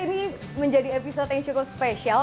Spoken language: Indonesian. ini menjadi episode yang cukup spesial